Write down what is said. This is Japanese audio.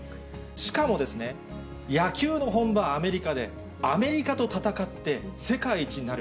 しかもですね、野球の本場、アメリカで、アメリカと戦って、世界一になる。